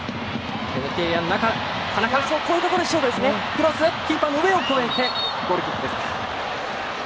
クロス、キーパーの上を越えてゴールキックです。